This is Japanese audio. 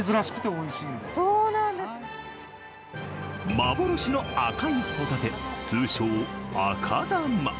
幻の赤いホタテ、通称・赤玉。